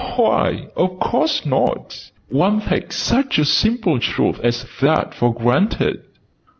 "Why, of course not! One takes such a simple truth as that for granted!"